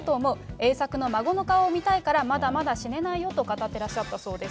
栄作の孫の顔を見たいからまだまだ死ねないよと語ってらっしゃったそうです。